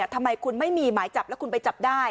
ทำไมคุณไม่มีหมายจับแล้วคุณไปจับได้